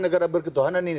negara berketuhanan ini